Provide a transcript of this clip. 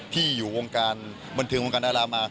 ที่อยู่วงการบันเทิงวงการดารามา